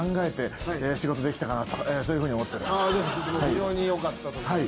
非常に良かったと思います。